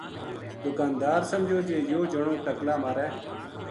دُکاندار سمجھیو جی یوہ جنو ٹقلا مارے